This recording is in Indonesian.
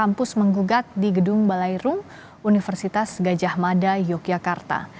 kampus menggugat di gedung balai rum universitas gajah mada yogyakarta